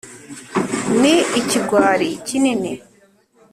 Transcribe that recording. ni ikigwari kinini